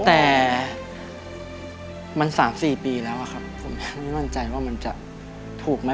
แต่มัน๓๔ปีแล้วอะครับผมไม่มั่นใจว่ามันจะถูกไหม